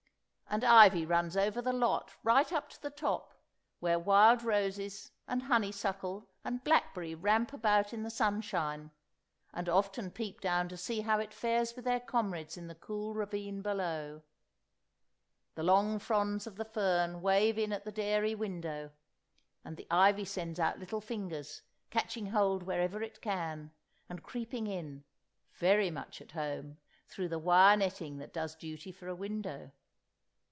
And ivy runs over the lot right up to the top, where wild roses and honeysuckle and blackberry ramp about in the sunshine, and often peep down to see how it fares with their comrades in the cool ravine below. The long fronds of the fern wave in at the dairy window, and the ivy sends out little fingers, catching hold wherever it can, and creeping in, very much at home, through the wire netting that does duty for a window.